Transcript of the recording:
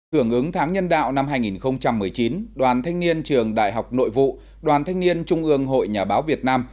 hưởng ứng tháng nhân đạo năm hai nghìn một mươi chín đoàn thanh niên trường đại học nội vụ đoàn thanh niên trung ương hội nhà báo việt nam